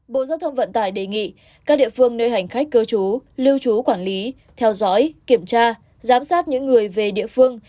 bộ giao thông vận tải đề nghị các địa phương nơi hành khách cư trú lưu trú quản lý theo dõi kiểm tra giám sát những người về địa phương